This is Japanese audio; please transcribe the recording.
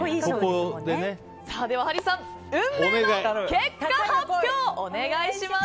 ハリーさん、運命の結果発表お願いします！